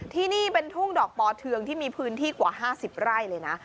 ที่นี่เป็นทุ่งดอกปอเทืองที่มีพื้นที่กว่า๕๐ไร่เลยนะ